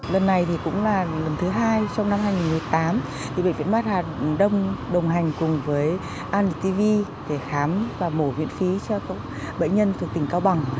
lần này thì cũng là lần thứ hai trong năm hai nghìn một mươi tám bệnh viện mắt hà đông đồng hành cùng với antv để khám và mổ viện phí cho bệnh nhân thuộc tỉnh cao bằng